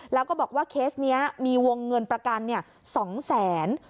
แล้วก็บอกว่าเคสนี้มีวงเงินประกัน๒แสน